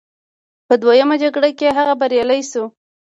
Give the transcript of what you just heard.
په دویمه جګړه کې هغه بریالی شو.